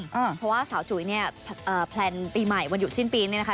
เพราะว่าสาวจุ๋ยเนี่ยแพลนปีใหม่วันหยุดสิ้นปีเนี่ยนะคะ